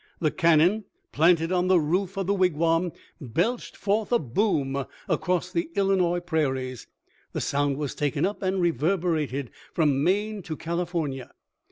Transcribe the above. The cannon planted on the roof of the 462 THE LIFE OP LINtiOLM. Wigwam belched forth a boom across the Illinois prairies. The sound was taken up and reverberated from Maine to California.